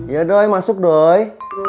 iya doi masuk doi